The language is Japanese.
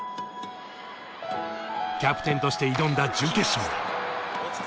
キャプテンとして挑んだ準決勝。